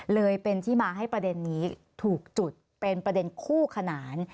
เลยเป็นที่มาให้ประเด็นนี้ถูกจุดเป็นประเด็นคู่ขนาน